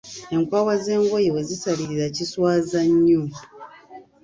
Enkwawa z'engoye bwezisalirira kiswaza nnyo.